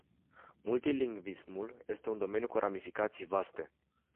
Multilingvismul este un domeniu cu ramificații vaste.